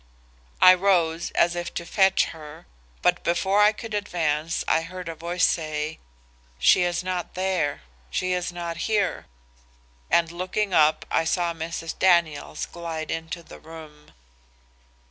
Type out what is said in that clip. I rose as if to fetch her but before I could advance I heard a voice say, 'She is not here,' and looking up I saw Mrs. Daniels glide into the room.